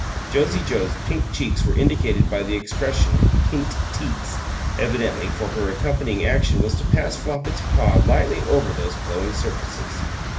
(Josie Joe's pink cheeks were indicated by the expression "pint teeks," evidently, for her accompanying action was to pass Flopit's paw lightly over those glowing surfaces.)